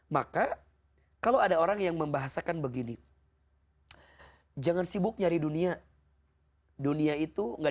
maka kalau ada orang yang membahasakan begini jangan sibuk nyari dunia dunia itu enggak